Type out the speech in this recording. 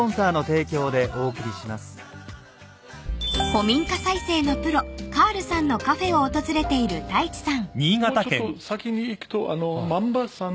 ［古民家再生のプロカールさんのカフェを訪れている太一さん］はあ。